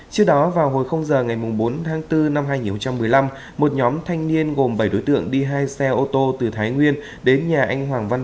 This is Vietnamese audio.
trước đó vào hồi giờ ngày bốn tháng bốn năm hai nghìn một mươi năm một nhóm thanh niên gồm bảy đối tượng đi hai xe ô tô từ thái nguyên đến nhà anh hoàng văn